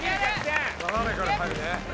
斜めから入るね。